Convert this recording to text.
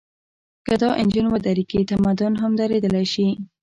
که دا انجن ودرېږي، تمدن هم درېدلی شي.